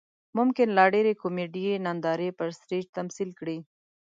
ممکن لا ډېرې کومیډي نندارې پر سټیج تمثیل کړي.